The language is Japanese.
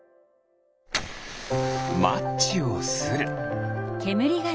マッチをする。